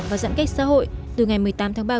và giãn cách xã hội từ ngày một mươi tám tháng ba vừa qua